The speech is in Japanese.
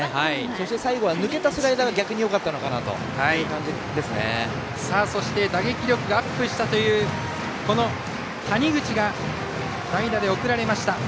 そして最後は抜けたスライダーが逆によかったのかなという打撃力がアップしたという谷口が代打で送られました。